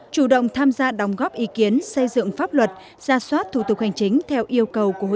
chủ động tham gia đóng góp ý kiến xây dựng pháp luật ra soát thủ tục hành chính theo yêu cầu của hội